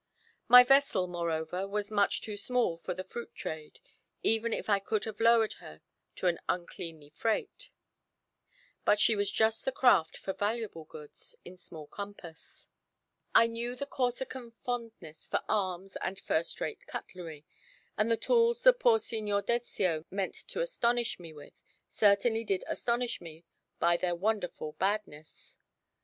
My vessel, moreover, was much too small for the fruit trade, even if I could have lowered her to an uncleanly freight; but she was just the craft for valuable goods in small compass. I knew the Corsican fondness for arms and first rate cutlery; and the tools the poor Signor Dezio meant to astonish me with, certainly did astonish me by their wonderful badness.